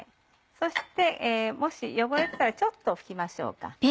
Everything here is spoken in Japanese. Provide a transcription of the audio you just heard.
そしてもし汚れてたらちょっと拭きましょうか。